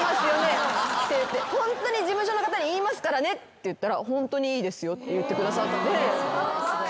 ホントに事務所の方に言いますからねって言ったらホントにいいですよって言ってくださった。